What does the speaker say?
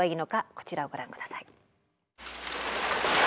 こちらをご覧ください。